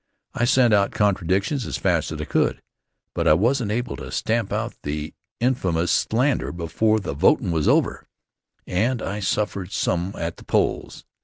I sent out contradictions as fast as I could, but I wasn't able to stamp out the infamous slander before the votin' was over, and I suffered some at the polls.